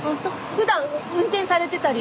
ふだん運転されてたり？